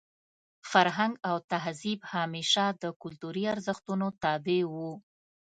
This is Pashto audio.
فرهنګ او تهذیب همېشه د کلتوري ارزښتونو تابع وو.